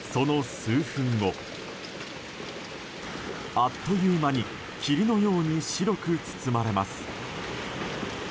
あっという間に霧のように白く包まれます。